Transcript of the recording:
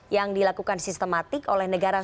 yang dilakukan sistematik oleh negara